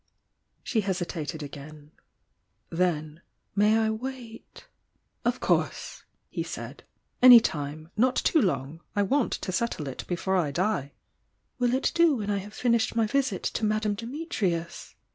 She hesitated again. Then; "May I wait " "Of course!" he said. "Any time! Not too long — I want to settle it before I die!" "Will it do when I have finished my visit to Madame Dimitrius?"